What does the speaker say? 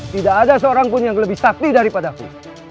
tidak ada seorang pun yang lebih sakti daripadaku